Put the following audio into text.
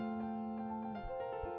jika sekarang kawasan pantai di blitar selatan